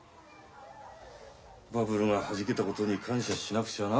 バブルがはじけたことに感謝しなくちゃな。